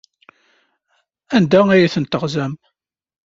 Anda ay ten-teɣzam?